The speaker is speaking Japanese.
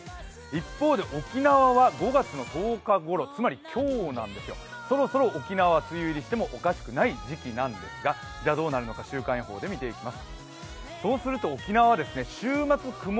一方で沖縄は５月の１０日ごろ、つまり今日なんですよ、そろそろ沖縄は梅雨入りしてもおかしくない時期なんですがじゃあどうなるのか週間予報で見ていきます。